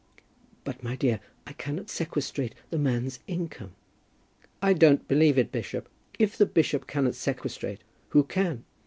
"But, my dear, I cannot sequestrate the man's income." "I don't believe it, bishop. If the bishop cannot sequestrate, who can?